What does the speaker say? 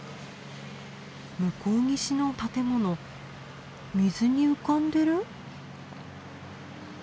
向こう岸の建物水に浮かんでる？